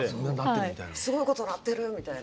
すごいことになってる！みたいな。